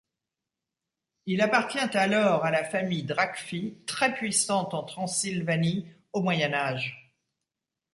Il appartient alors à la famille Dragfi, très puissante en Transylvanie au Moyen Âge.